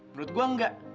menurut gue enggak